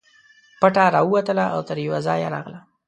پټه راووتله او تر یوه ځایه راغله.